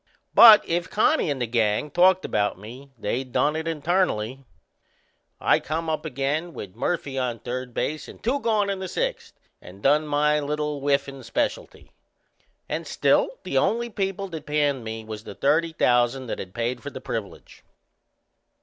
But if Connie and the gang talked about me they done it internally. I come up again with Murphy on third base and two gone in the sixth, and done my little whiffin' specialty. And still the only people that panned me was the thirty thousand that had paid for the privilege!